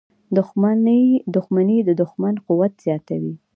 • دښمني د دوښمن قوت زیاتوي.